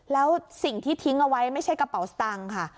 แล้วสิ่งที่ทิ้งเอาไว้ไม่ใช่กระเป๋าสตางค์ค่ะ